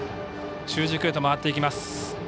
中軸へと回っていきます。